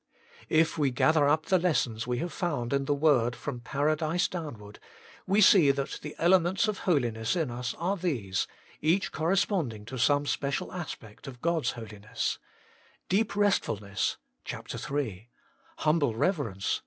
6. If we gather up the lessons we have found in the Word from Paradise downward, we see that the elements of holiness in us are these, each corre sponding to some special aspect of God's holiness : deep Restfulness (ch, 3), humble Reverence (ch.